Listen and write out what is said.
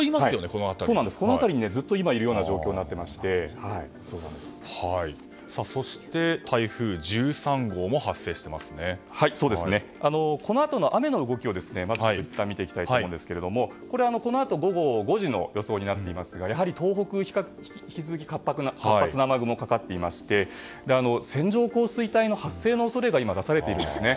この辺りに今ずっといるようなそして、台風１３号もこのあとの雨の動きを見ていきたいと思うんですけどもこのあと午後５時の予想になっていますがやはり東北、引き続き活発な雨雲がかかっていまして線状降水帯の発生の恐れが今、出されているんですね。